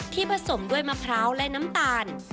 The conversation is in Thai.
ผสมด้วยมะพร้าวและน้ำตาล